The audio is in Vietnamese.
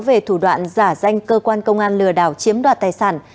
về thủ đoạn giả danh cơ quan công an lừa đảo chiếm đoạt tài sản